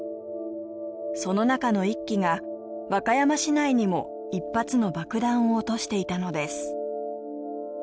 その中の一機が和歌山市内にも一発の爆弾を落としていたのです。